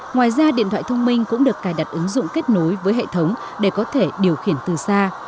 ngoài ra điện thoại thông minh cũng được cài đặt ứng dụng kết nối với hệ thống để có thể điều khiển từ xa